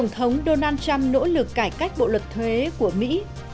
thống donald trump nỗ lực cải cách bộ luật thuế của mỹ